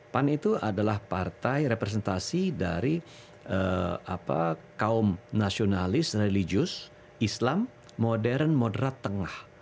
pan itu adalah partai representasi dari kaum nasionalis religius islam modern moderat tengah